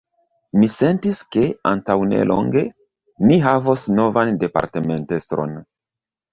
Mi sentis ke, antaŭnelonge, ni havos novan departementestron.